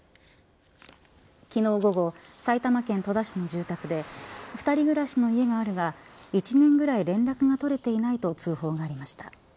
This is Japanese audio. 昨日、午後埼玉県戸田市の住宅で２人暮らしの家があるが１年ぐらい連絡が取れていないと通報がありました。